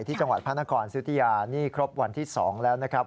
ที่จังหวัดพระนครสุธิยานี่ครบวันที่๒แล้วนะครับ